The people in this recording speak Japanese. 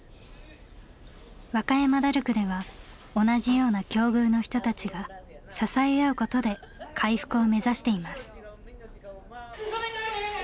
和歌山ダルクでは同じような境遇の人たちが支え合うことで回復を目指しています。